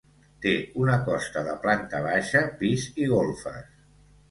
Té una costa de planta baixa, pis i golfes.